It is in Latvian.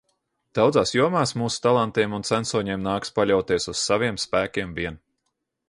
Daudzās jomās mūsu talantiem un censoņiem nākas paļauties uz saviem spēkiem vien.